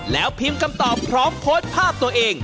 แล้วพิมพ์คำตอบพร้อมโพสต์ภาพตัวเอง